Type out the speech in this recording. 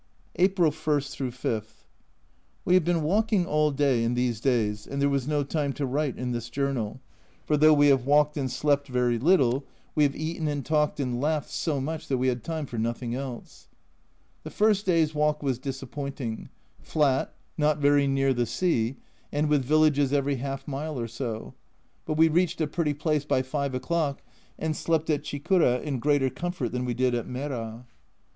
April 1 5. We have been walking all day all these days, and there was no time to write in this journal, for though we have walked and slept very little we O 05 O W O c/5 [_, O V5 <J g z p A Journal from Japan 123 have eaten and talked and laughed so much that we had time for nothing else. The first day's walk was disappointing, flat, not very near the sea, and with villages every half mile or so, but we reached a pretty place by 5 o'clock, and slept at Chikura in greater comfort than we did at Mera.